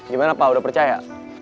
gimana pak udah percaya